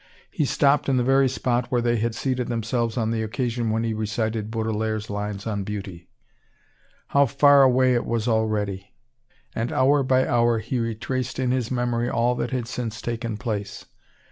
He stopped in the very spot where they had seated themselves on the occasion when he recited Baudelaire's lines on Beauty. How far away it was already! And, hour by hour, he retraced in his memory all that had since taken place.